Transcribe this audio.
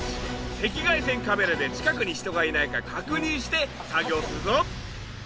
赤外線カメラで近くに人がいないか確認して作業するぞ。